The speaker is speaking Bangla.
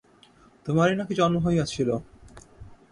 তোমারই নাকি জন্ম হইয়াছিল!